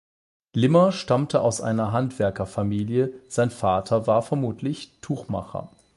Limmer stammte aus einer Handwerkerfamilie, sein Vater war vermutlich Tuchmacher.